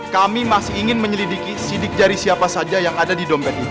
kami masih ingin menyelidiki sidik jari siapa saja yang ada di dompet ini